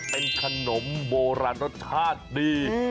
เป็นขนมโบราณรสชาติดี